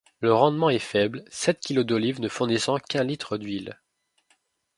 Le rendement est faible, sept kilos d'olives ne fournissant qu'un litre d'huile.